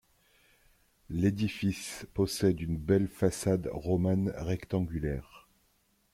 L'édifice possède une belle façade romane rectangulaire.